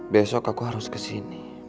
besok aku harus kesini